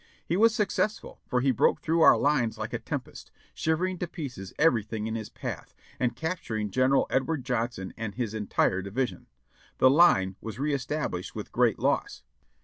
He was successful, for he broke through our lines like a tempest, shivering to pieces everything in his path, and capturing General Edward Johnson and his entire division. The line was re established with great loss.